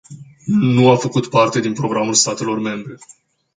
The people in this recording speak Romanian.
Nu a făcut parte din programul statelor membre.